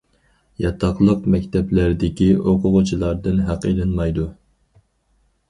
ياتاقلىق مەكتەپلەردىكى ئوقۇغۇچىلاردىن ھەق ئېلىنمايدۇ.